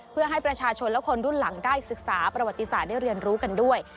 เพื่อให้ประชาชนและคนรุ่นหลังได้ศึกษาประวัติศาสตร์ได้เรียนรู้กันด้วย